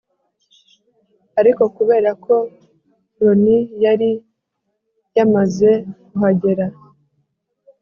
ariko kubera ko ronnie yari yamaze kuhagera